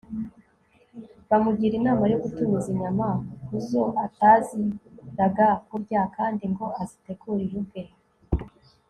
bamugira inama yo gutumiza inyama ku zo ataziraga kurya kandi ngo azitegurire ubwe